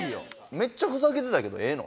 めっちゃふざけてたけどええの？